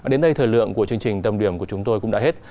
đến đây thời lượng của chương trình tâm điểm của chúng tôi cũng đã hết